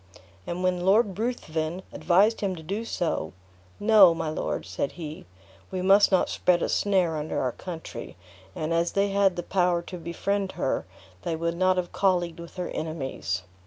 And when Lord Ruthven advised him to do so, "No, my lord," said he, "we must not spread a snare under our country, and as they had the power to befriend her, they would not have colleagued with her enemies.